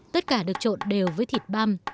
tất cả được trộn đều với thịt băm